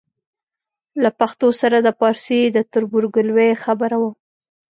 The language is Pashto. له پښتو سره د پارسي د تربورګلوۍ خبره وه.